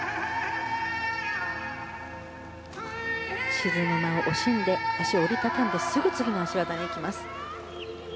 沈む間を惜しんで脚を折りたたんですぐ次の脚技にいきます。